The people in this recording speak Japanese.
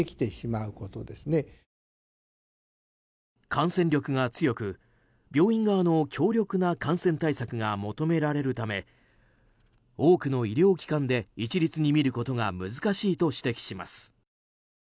感染力が強く病院側の強力な感染対策が求められるため多くの医療機関で一律に診ることが難しいと指摘します。